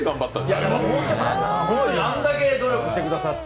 あれだけ努力してくださって。